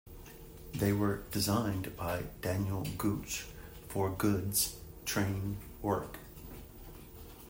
They were designed by Daniel Gooch for goods train work.